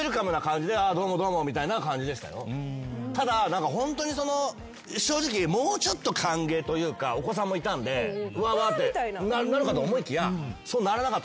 ただホントに正直もうちょっと歓迎というかお子さんもいたんでワーワーってなるかと思いきやそうならなかったんですよ